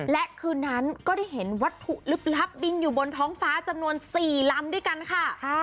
และคืนนั้นก็ได้เห็นวัตถุลึกลับบินอยู่บนท้องฟ้าจำนวน๔ลำด้วยกันค่ะ